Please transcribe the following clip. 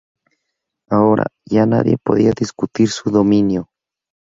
Ahora ya nadie podía discutir su dominio.